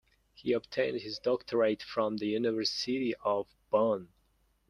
He obtained his doctorate from the University of Bonn.